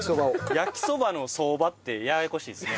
「焼きそばの相場」ってややこしいですね。